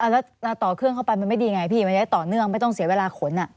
แล้วต่อเครื่องเข้าไปมันไม่ดีไงพี่มันใช้ต่อเนื่องไม่ต้องเสียเวลาขน